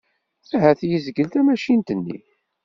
Ahat yezgel tamacint-nni.